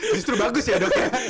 justru bagus ya dok ya